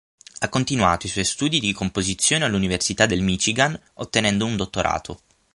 Ha continuato i suoi studi di composizione all'Università del Michigan, ottenendo un dottorato.